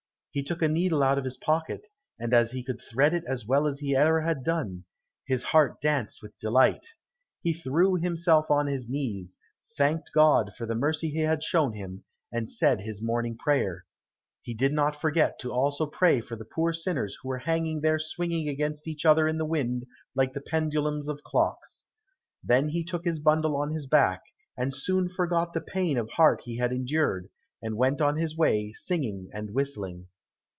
He took a needle out of his pocket, and as he could thread it as well as ever he had done, his heart danced with delight. He threw himself on his knees, thanked God for the mercy he had shown him, and said his morning prayer. He did not forget also to pray for the poor sinners who were hanging there swinging against each other in the wind like the pendulums of clocks. Then he took his bundle on his back and soon forgot the pain of heart he had endured, and went on his way singing and whistling.